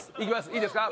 いいですか？